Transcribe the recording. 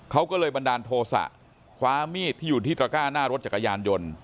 เขาก็เลยบันดาลโทษะคว้ามีดที่อยู่ที่ตระก้าหน้ารถจักรยานยนต์